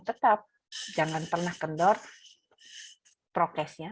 tetap jangan pernah kendor prokesnya